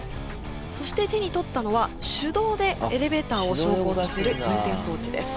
そして手に取ったのは手動でエレベーターを昇降させる運転装置です。